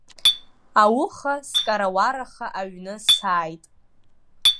Ауха скарауараха аҩны сааит.